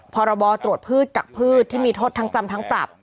พรบตรวจพืชกักพืชที่มีโทษทั้งจำทั้งปรับ